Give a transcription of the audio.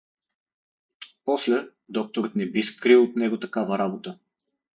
После, докторът не би скрил от него такава работа.